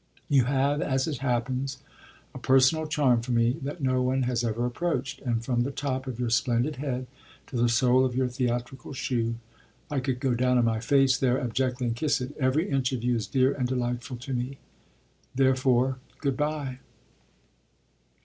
You have, as it happens, a personal charm for me that no one has ever approached, and from the top of your splendid head to the sole of your theatrical shoe (I could go down on my face there, abjectly and kiss it!) every inch of you is dear and delightful to me. Therefore good bye."